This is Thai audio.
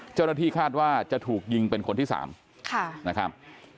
เจ้าหน้าที่คาดว่าจะถูกยิงเป็นคนที่๓นะครับ